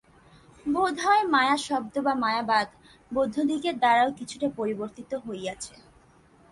বোধ হয়, মায়া-শব্দ বা মায়াবাদ বৌদ্ধদিগের দ্বারাও কিছুটা পরিবর্তিত হইয়াছে।